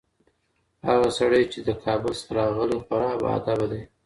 هغه سړی چي له کابل څخه راغلی، خورا باادبه دی.